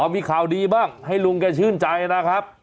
มีข่าวดีบ้างให้ลุงแกชื่นใจนะครับ